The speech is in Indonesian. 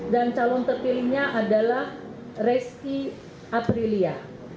dan calon terpilihnya adalah reski aprilia